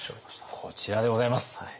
こちらでございます。